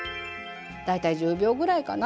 大体１０秒ぐらいかな。